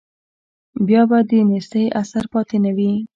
بیا به د نیستۍ اثر پاتې نه وي.